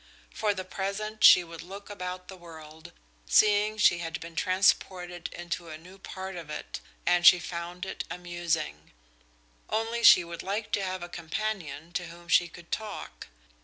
For the present she would look about the world, seeing she had been transported into a new part of it, and she found it amusing. Only she would like to have a companion to whom she could talk.